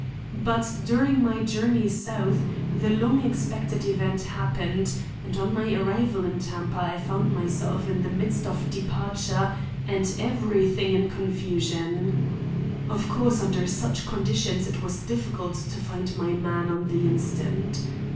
But during my journey south the long expected event happened, and on my arrival in Tampa I found myself in the midst of departure and everything in confusion. Of course, under such conditions it was difficult to find my man on the instant.